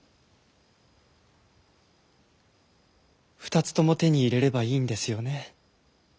２つとも手に入れればいいんですよね。